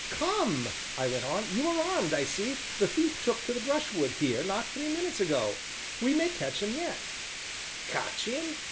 "Come," I went on, "you are armed, I see; the thief took to the brushwood, here, not three minutes ago; we may catch him yet " "Catch him?"